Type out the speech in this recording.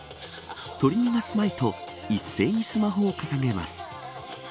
取り逃すまいと一斉にスマホを掲げます。